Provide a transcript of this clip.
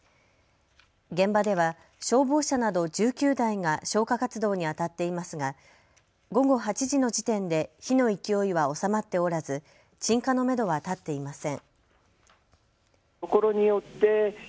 現場では消防車など１９台が消火活動にあたっていますが午後８時の時点で火の勢いは収まっておらず鎮火のめどは立っていません。